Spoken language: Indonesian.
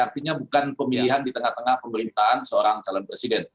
artinya bukan pemilihan di tengah tengah pemerintahan seorang calon presiden